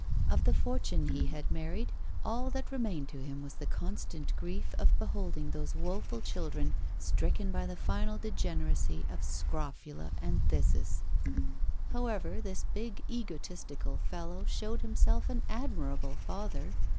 Of the fortune he had married, all that remained to him was the constant grief of beholding those woeful children stricken by the final degeneracy of scrofula and phthisis. However, this big, egotistical fellow showed himself an admirable father.